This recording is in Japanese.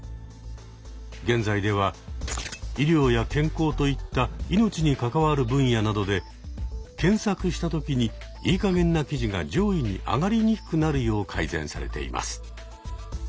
現在では医療や健康といった命に関わる分野などで検索したときにいいかげんな記事が上位に上がりにくくなるよう改善されています。